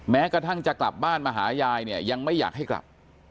แม้กระทั่งจะกลับบ้านมาหายายเนี่ยยังไม่อยากให้กลับ